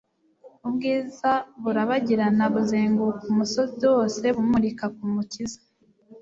ubwiza burabagirana buzengm-uka umusozi wose, bumurika ku Mukiza.